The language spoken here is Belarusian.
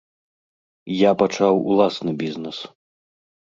Я пачаў уласны бізнэс.